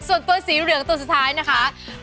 ส่วนตัวสีเหลืองตัวสุดท้ายนะคะ